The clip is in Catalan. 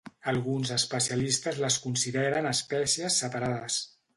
Alguns especialistes les consideren espècies separades.